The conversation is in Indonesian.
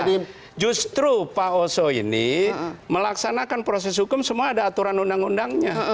justru pak oso ini melaksanakan proses hukum semua ada aturan undang undangnya